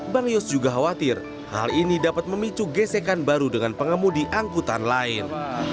bang yos juga khawatir hal ini dapat memicu gesekan baru dengan pengemudi angkutan lain